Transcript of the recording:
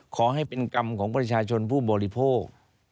ขอให้เป็นกรรมของประชาชนผู้บริโภค